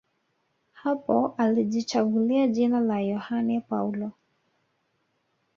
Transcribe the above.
Hapo alijichagulia jina la Yohane Paulo